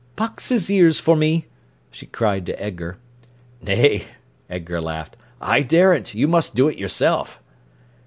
"Box his ears for me!" she cried to Edgar. "Nay," Edgar laughed. "I daren't. You must do it yourself."